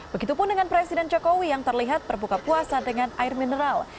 begitupun dengan presiden jokowi yang terlihat berbuka puasa dengan air mineral